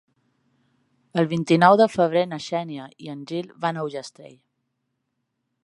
El vint-i-nou de febrer na Xènia i en Gil van a Ullastrell.